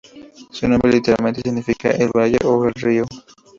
Su nombre literalmente significa "el valle" o "el río".